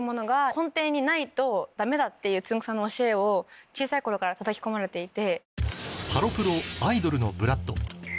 っていうつんく♂さんの教えを小さい頃からたたき込まれていて。